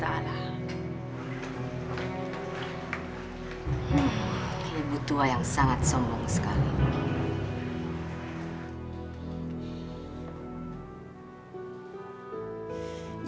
ibu tua yang sangat sombong sekali